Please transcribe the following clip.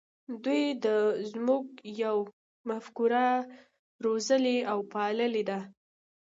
دوی د "موږ یو" مفکوره روزلې او پاللې ده.